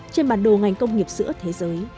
trên bản đồ ngành công nghiệp sữa thế giới